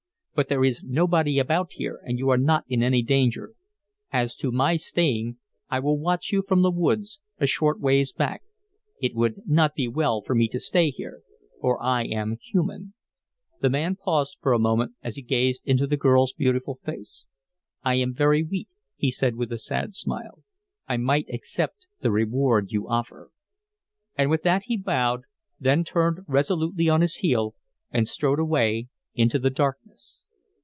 But there is nobody about here, and you are not in any danger. As to my staying, I will watch you from the woods, a short ways back. It would not be well for me to stay here, for I am human " The man paused a moment as he gazed into the girl's beautiful face. "I am very weak," he said, with a sad smile. "I might accept the reward you offer." And with that he bowed, then turned resolutely on his heel and strode away into the darkness.